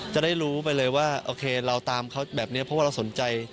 จะได้รู้ไปเลยว่าโอเคเราตามเขาแบบนี้เพราะว่าเราสนใจ